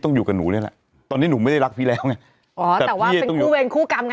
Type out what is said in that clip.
โอ้ววันนี้สัมภาษณ์ครูสนุก